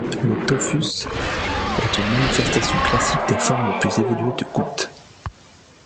Le tophus est une manifestation classique des formes les plus évoluées de goutte.